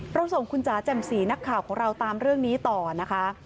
ส่งคุณจ๋าแจ่มสีนักข่าวของเราตามเรื่องนี้ต่อนะคะ